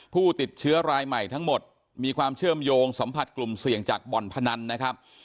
ผู้ติดเชื้อรายใหม่ทั้งหมดมีความเชื่อมโยงสัมผัสกลุ่มเสี่ยงจากบ่อนพนันนะครับ